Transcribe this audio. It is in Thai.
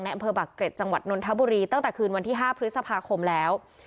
อำเภอบักเกร็ดจังหวัดนนทบุรีตั้งแต่คืนวันที่๕พฤษภาคมแล้ว